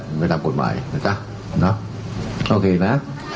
เป็นไปตามกฎหมายนะจ๊ะโอเคนะ